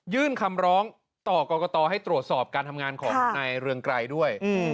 คำร้องต่อกรกตให้ตรวจสอบการทำงานของนายเรืองไกรด้วย